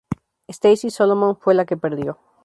Stacey Solomon fue la que perdió.